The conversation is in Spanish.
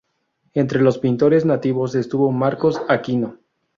Entre los pintores nativos estuvo Marcos Aquino.